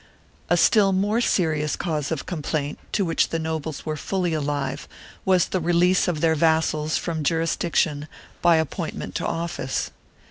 1 A still more serious cause of complaint, to which the nobles were fully alive, was the release of their vassals from jurisdiction by appointment to office.